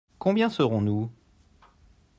Combien serons-nous ?